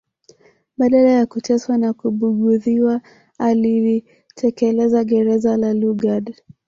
Baada ya kuteswa na kubughudhiwa aliliteketeza gereza la Lugard